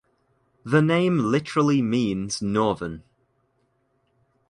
The name literally means "northern".